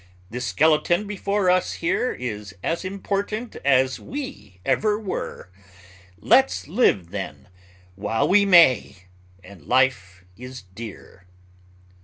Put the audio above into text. This skeleton before us here Is as important as we ever were! Let's live then while we may and life is dear."